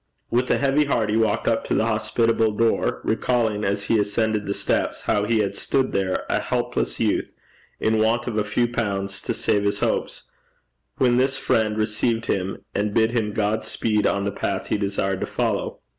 With a heavy heart he walked up to the hospitable door, recalling as he ascended the steps how he had stood there a helpless youth, in want of a few pounds to save his hopes, when this friend received him and bid him God speed on the path he desired to follow.